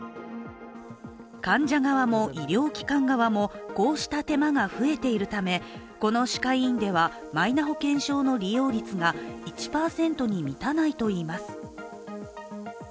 患者側も医療機関側もこうした手間が増えているため、この歯科医院では、マイナ保険証の利用率が１％に満たないといいます。